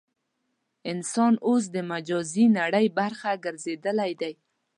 انسان اوس د مجازي نړۍ برخه ګرځېدلی دی.